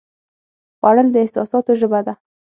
خوړل د احساساتو ژبه ده